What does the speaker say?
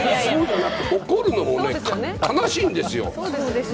怒るのも悲しいんですよ。